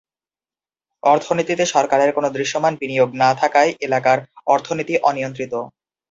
অর্থনীতিতে সরকারের কোন দৃশ্যমান বিনিয়োগ না থাকায় এলাকার অর্থনীতি অনিয়ন্ত্রিত।